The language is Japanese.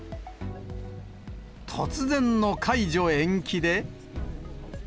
突然の解除延期で。